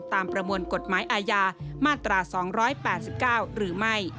ประมวลกฎหมายอาญามาตรา๒๘๙หรือไม่